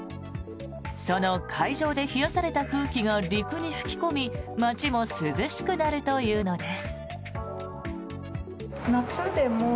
その海上で冷やされた空気が陸に吹き込み街も涼しくなるというのです。